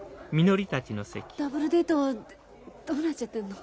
ダブルデートはどうなっちゃってんの？